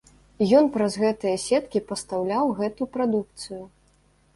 І ён праз гэтыя сеткі пастаўляў гэту прадукцыю.